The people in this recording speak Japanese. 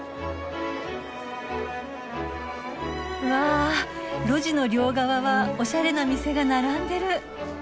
うわ路地の両側はおしゃれな店が並んでる。